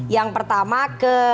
yang pertama ke